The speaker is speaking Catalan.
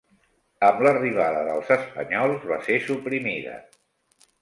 Amb l'arribada dels espanyols, va ser suprimida.